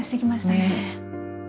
ねえ。